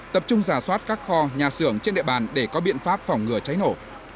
tập trung giả soát các kho nhà xưởng trên địa bàn để có biện pháp phòng ngừa cháy nổ